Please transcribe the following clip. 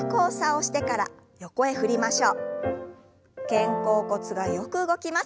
肩甲骨がよく動きます。